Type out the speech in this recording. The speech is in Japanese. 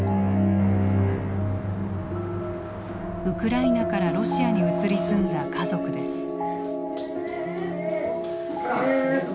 ウクライナからロシアに移り住んだ家族です。